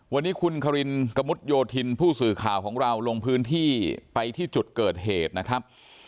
วันนี้คุณครินกระมุดโยธินผู้สื่อข่าวของเราลงพื้นที่ไปที่จุดเกิดเหตุนะครับ